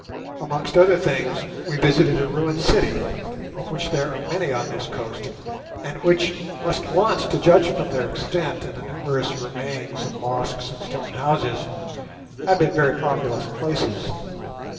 Amongst other things we visited a ruined city, of which there are many on this coast, and which must once, to judge from their extent and the numerous remains of mosques and stone houses, have been very populous places.